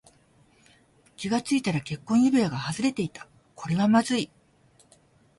気がついたら結婚指輪が外れていた。これはまずい。